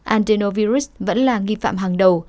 adenovirus vẫn là nghi phạm hàng đầu